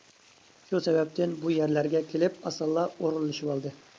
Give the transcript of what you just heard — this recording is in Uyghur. شۇ سەۋەبتىن بۇ يەرلەرگە كېلىپ ئاسانلا ئورۇنلىشىۋالدى.